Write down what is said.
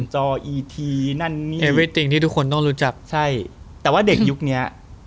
จอนั่นนี่ที่ทุกคนต้องรู้จักใช่แต่ว่าเด็กยุคนี้